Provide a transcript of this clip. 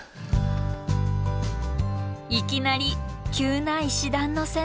いきなり急な石段の洗礼。